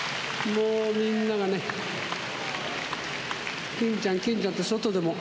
もう、みんながね、欽ちゃん、欽ちゃんって、外でも。